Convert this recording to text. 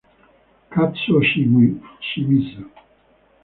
Kazuo Shimizu